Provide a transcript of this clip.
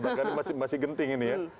bahkan masih genting ini ya